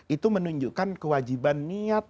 itu menunjukkan kewajiban niat